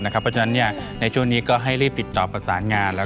เพราะฉะนั้นในช่วงนี้ก็ให้รีบติดต่อประสานงาน